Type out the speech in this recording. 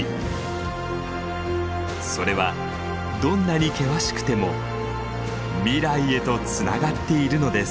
それはどんなに険しくても未来へとつながっているのです。